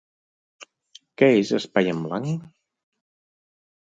Què és Espai en Blanc?